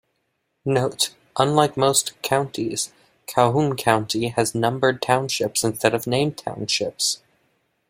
Note: Unlike most counties, Calhoun County has numbered townships instead of named townships.